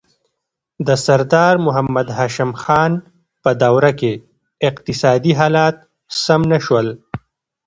د سردار محمد هاشم خان په دوره کې اقتصادي حالات سم نه شول.